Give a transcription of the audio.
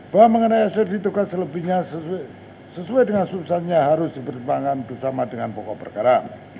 bahwa mengenai sds ditukar selebihnya sesuai dengan susahnya harus dipertimbangkan bersama dengan pokok perkara